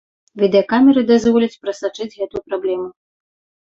Відэакамеры дазволяць прасачыць гэтую праблему.